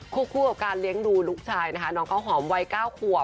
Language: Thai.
คู่กับการเลี้ยงดูลูกชายนะคะน้องข้าวหอมวัย๙ขวบ